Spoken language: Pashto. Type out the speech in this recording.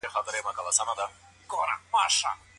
د ژوند کچه يوازي په پيسو نه ښه کيږي.